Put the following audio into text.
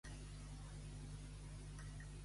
Anar en un allista única o per separat.